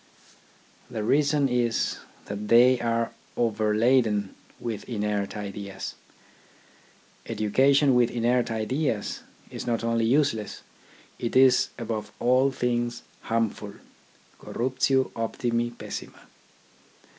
The reason is, that they are overladen with inert ideas. Education with inert ideas is not only useless : it is, above all things, harmful — Corruptio optimi, pessima.